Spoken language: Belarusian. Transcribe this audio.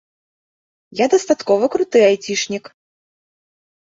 Я дастаткова круты айцішнік.